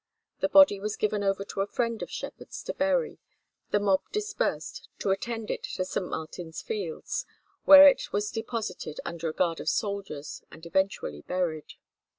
The body was given over to a friend of Sheppard's to bury, the mob dispersed to attend it to St. Martin's Fields, where it was deposited under a guard of soldiers and eventually buried.